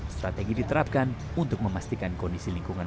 strategi diterapkan untuk memastikan kondisi lingkungan